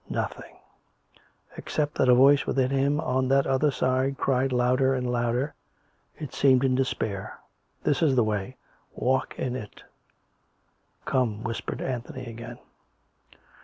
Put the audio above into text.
Nothing. Except that a voice within him on that other s'ide cried louder and louder — it seemed in despair :" This is the way; walk in it." " Come," whispered Anthony again.